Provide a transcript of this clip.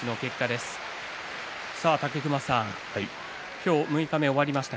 武隈さん六日目が終わりました。